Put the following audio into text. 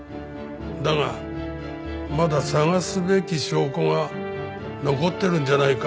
だがまだ捜すべき証拠は残ってるんじゃないか？